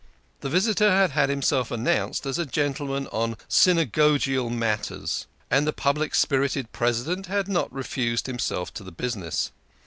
The visitor had had himself announced as a gentleman on synagogual matters, and the public spirited President had not refused himself to the business.